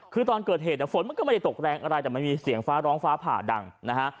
คือตอนเกิดเหตุฝนมันก็ไม่ได้ตกแรงอะไรแต่มันมีเสียงฟ้าร้องฟ้าผ่าดังนะฮะ